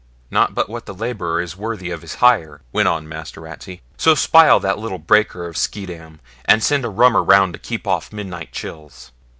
'Not but what the labourer is worthy of his hire,' went on Master Ratsey; 'so spile that little breaker of Schiedam, and send a rummer round to keep off midnight chills.'